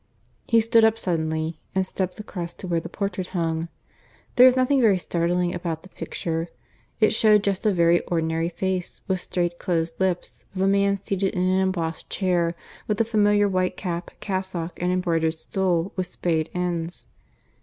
He stood up suddenly and stepped across to where the portrait hung. There was nothing very startling about the picture. It showed just a very ordinary face with straight closed lips, of a man seated in an embossed chair, with the familiar white cap, cassock, and embroidered stole with spade ends.